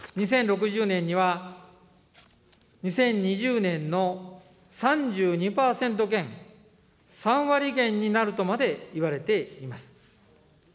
２０６０年には、２０２０年の３２％減、３割減になるとまでいわれています。